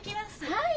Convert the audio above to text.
はい！